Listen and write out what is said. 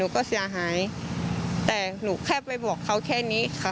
แค่ไปบอกเขาแค่นี้ค่ะ